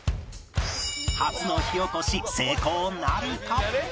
初の火起こし成功なるか？